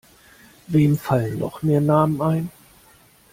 Wem fallen noch mehr Namen ein?